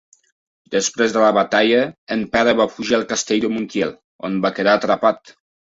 Després de la batalla, en Pere va fugir al castell de Montiel, on va quedar atrapat.